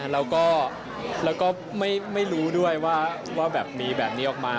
แล้วก็ไม่รู้ด้วยว่าแบบมีแบบนี้ออกมา